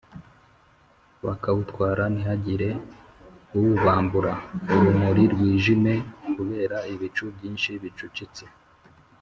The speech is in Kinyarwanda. bakawutwara ntihagire uwubambura.urumuri rwijime kubera ibicu byinshi bicucitse.